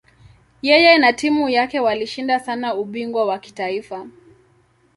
Yeye na timu yake walishinda sana ubingwa wa kitaifa.